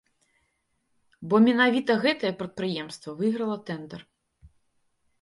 Бо менавіта гэтае прадпрыемства выйграла тэндэр.